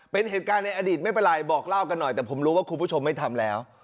เป็นเหตุการณ์ในอดีตไม่เป็นไรบอกเล่ากันหน่อยแต่ผมรู้ว่าคุณผู้ชมไม่ทำแล้ว